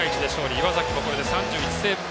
岩崎、これで３１セーブ目。